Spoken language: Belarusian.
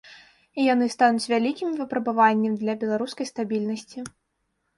І яны стануць вялікім выпрабаваннем для беларускай стабільнасці.